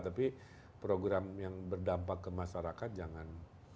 tapi program yang berdampak ke masyarakat jangan